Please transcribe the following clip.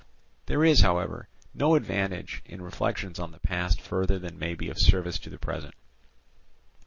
"There is, however, no advantage in reflections on the past further than may be of service to the present.